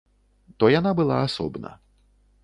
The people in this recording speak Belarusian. То яна была асобна.